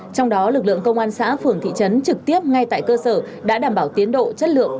trong đó lực lượng công an xã phường thị trấn trực tiếp ngay tại cơ sở đã đảm bảo tiến độ chất lượng